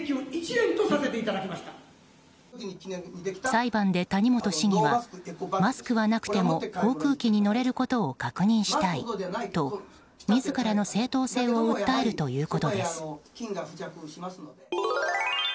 裁判で谷本市議はマスクはなくても航空機に乗れることを確認したいと自らの正当性を訴えるということです。